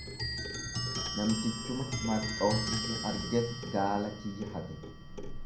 Namtichuma marxoo tiyya argetu gaala kiyya hate.